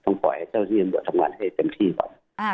ปล่อยให้เจ้าที่ตำรวจทำงานให้เต็มที่ก่อน